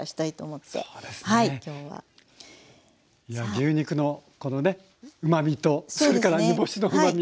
牛肉のこのねうまみとそれから煮干しのうまみ。